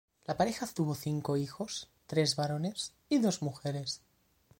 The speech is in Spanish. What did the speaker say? La pareja tuvo cinco hijos, tres varones y dos mujeres.